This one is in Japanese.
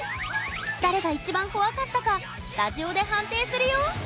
誰が一番怖かったかスタジオで判定するよ